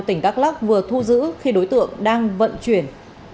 tỉnh đắk lắc vừa thu giữ khi đối tượng đang vận chuyển